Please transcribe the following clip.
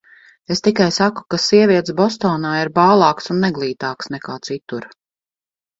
Es tikai saku, ka sievietes Bostonā ir bālākas un neglītākas nekā citur.